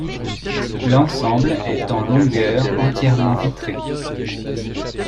L'ensemble est en longueur, entièrement vitré.